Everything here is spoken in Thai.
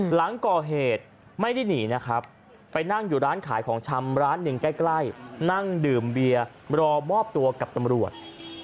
หลังก่อเหตุไม่ได้หนีนะครับไปนั่งอยู่ร้านขายของชำร้านหนึ่งใกล้นั่งดื่มเบียร์รอมอบตัวกับตำรวจ